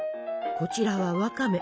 「こちらはワカメ